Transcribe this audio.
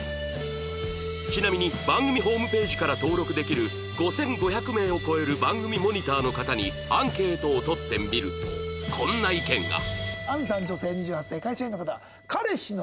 ちなみに番組ホームページから登録できる５５００名を超える番組モニターの方にアンケートを取ってみるとこんな意見が